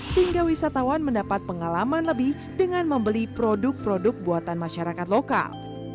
sehingga wisatawan mendapat pengalaman lebih dengan membeli produk produk buatan masyarakat lokal